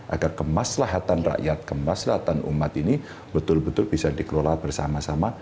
agar kemaslahatan rakyat kemaslahatan umat ini betul betul bisa dikelola bersama sama